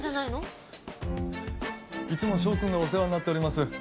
いつも翔くんがお世話になっております。